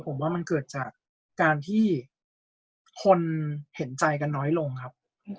ผมว่ามันเกิดจากการที่คนเห็นใจกันน้อยลงครับ